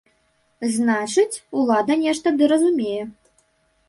Значыць, улада нешта ды разумее.